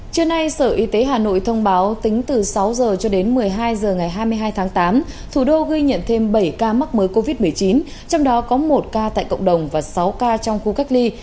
trưa nay sở y tế hà nội thông báo tính từ sáu h cho đến một mươi hai h ngày hai mươi hai tháng tám thủ đô ghi nhận thêm bảy ca mắc mới covid một mươi chín trong đó có một ca tại cộng đồng và sáu ca trong khu cách ly